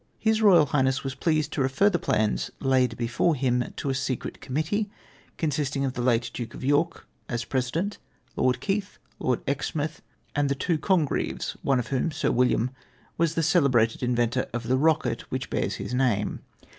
His Eoyal Highness was pleased to refer the plans laid before him to a Secret Committee, consisting of the late Duke of York, as president, Lord Keith, Lord Exmouth, and the two Congreves, one of whom. Sir William, was the celebrated inventor of the rocket which bears his name.